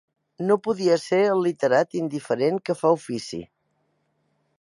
No podia ser el literat indiferent que fa ofici